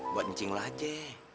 buat ncing lo aja